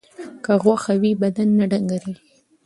که غوښه وي نو بدن نه ډنګریږي.